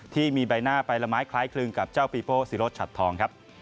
ที่มีใบหน้าไปละไม้คล้ายคลึงกับเจ้าปีโป้ศิโรสชัดทองครับ